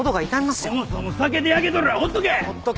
そもそも酒で焼けとるわほっとけ。